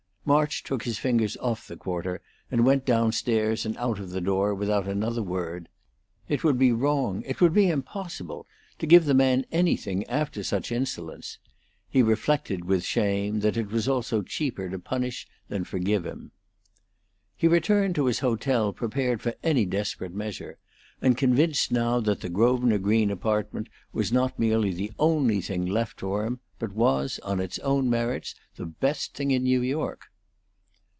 March took his fingers off the quarter, and went down stairs and out of the door without another word. It would be wrong, it would be impossible, to give the man anything after such insolence. He reflected, with shame, that it was also cheaper to punish than forgive him. He returned to his hotel prepared for any desperate measure, and convinced now that the Grosvenor Green apartment was not merely the only thing left for him, but was, on its own merits, the best thing in New York.